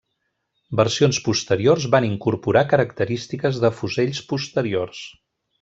Versions posteriors van incorporar característiques de fusells posteriors.